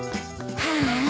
はあ。